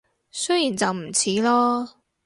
雖然就唔似囉